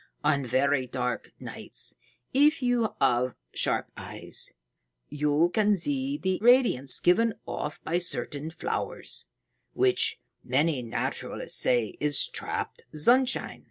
On very dark nights, if you have sharp eyes, you can see the radiance given off by certain flowers, which many naturalists say is trapped sunshine.